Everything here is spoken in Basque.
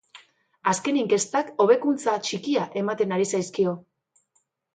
Azken inkestak hobekuntza txikia ematen ari zaizkio.